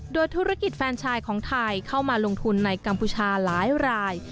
โดยธุรกิจแฟนชายของไทยเข้ามาลงทุนในกัมพูชาหลายราย